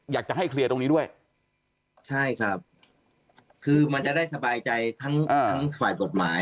อยากจะให้เคลียร์ตรงนี้ด้วยใช่ครับคือมันจะได้สบายใจทั้งทั้งฝ่ายกฎหมาย